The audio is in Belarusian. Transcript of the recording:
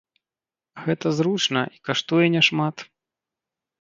Гэта зручна і каштуе не шмат.